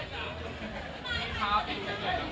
ช่างที่คาร์แพมง